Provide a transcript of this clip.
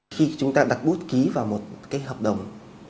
khi chúng ta đặt bút ký vào một cái hợp đồng